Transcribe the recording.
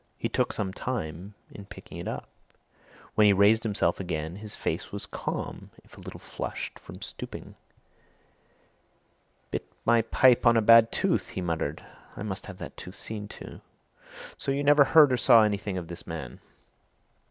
He took some time in picking it up. When he raised himself again his face was calm if a little flushed from stooping. "Bit my pipe on a bad tooth!" he muttered. "I must have that tooth seen to. So you never heard or saw anything of this man?"